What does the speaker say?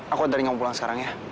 aku antarin kamu pulang sekarang ya